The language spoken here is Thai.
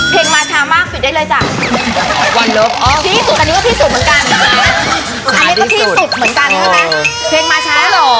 เพลงม้าชามากผิดได้เลยจ้ะ